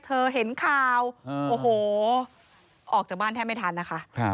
เห็นข่าวโอ้โหออกจากบ้านแทบไม่ทันนะคะ